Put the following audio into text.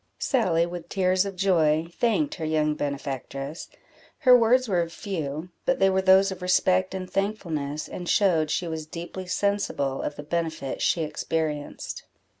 Sally, with tears of joy, thanked her young benefactress; her words were few, but they were those of respect and thankfulness, and showed she was deeply sensible of the benefit she experienced.